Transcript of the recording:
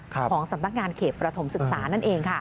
ของสำนักงานเขตประถมศึกษานั่นเองค่ะ